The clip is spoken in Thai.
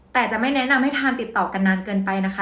แต่จะไม่แนะนำให้ทานติดต่อกันนานเกินไปนะคะ